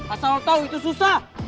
asal lo tau itu susah